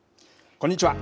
こんにちは。